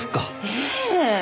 ええ。